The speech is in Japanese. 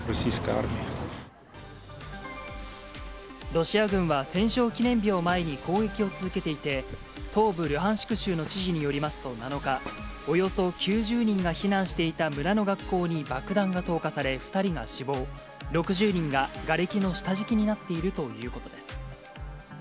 ロシア軍は戦勝記念日を前に攻撃を続けていて、東部ルハンシク州の知事によりますと、７日、およそ９０人が避難していた村の学校に爆弾が投下され２人が死亡、６０人ががれきの下敷きになっているということです。